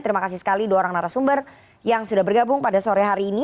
terima kasih sekali dua orang narasumber yang sudah bergabung pada sore hari ini